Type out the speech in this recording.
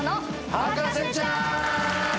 『博士ちゃん』！